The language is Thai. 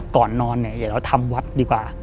ก่อนนอนเนี่ยเดี๋ยวเราทำวัดดีกว่า